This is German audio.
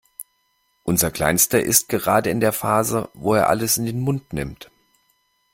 Unser Kleinster ist gerade in der Phase, wo er alles in den Mund nimmt.